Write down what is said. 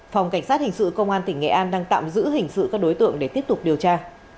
phòng cảnh sát hình sự công an tỉnh nghệ an đang tạm giữ hình sự các đối tượng để tiếp tục điều tra